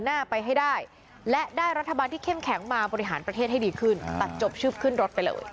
หน้าไปให้ได้และได้รัฐบาลที่เข้มแข็งมาบริหารประเทศให้ดีขึ้นตัดจบชื่อขึ้นรถไปเลย